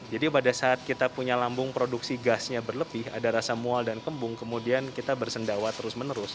pada saat kita punya lambung produksi gasnya berlebih ada rasa mual dan kembung kemudian kita bersendawa terus menerus